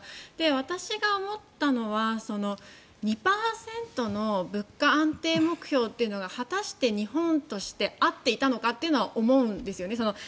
私が思ったのは２％の物価安定目標というのが果たして日本として合っていたのかっていうのは思うんですよね。